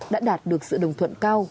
đã đạt được sự đồng thuận cao